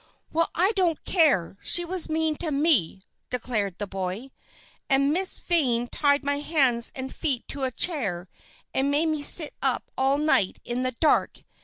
"Well, I don't care! she was mean to me," declared the boy. "And Miss Vane tied my hands and feet to a chair and made me sit up all night in the dark.